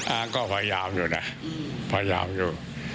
อ้างก็พยายามอยู่นะพยายามอยู่